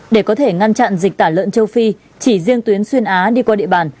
để có thể ngăn chặn dịch tả lợn châu phi chỉ riêng tuyến xuyên á đi qua địa bàn